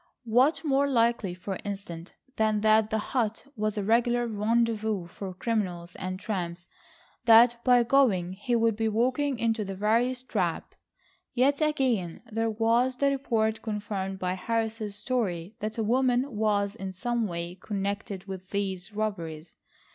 What more likely for instance, than that the hut was a regular rendezvous for criminals and tramps, that by going he would be walking into the veriest trap? Yet again there was the report confirmed by Harris's story that a woman was in some way connected with these robberies.